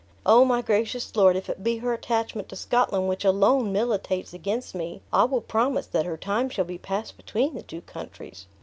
Oh, my gracious lord, if it be her attachment to Scotland which alone militates against me, I will promise that her time shall be passed between the two countries.